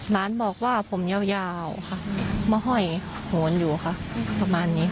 ร้านบอกว่าผมยาวค่ะมาห้อยโหนอยู่ค่ะประมาณนี้ค่ะ